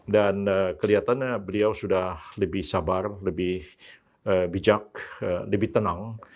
dan kelihatannya beliau sudah lebih sabar lebih bijak lebih tenang